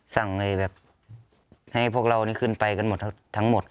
สั่งเลยแบบให้พวกเรานี้ขึ้นไปกันทั้งหมด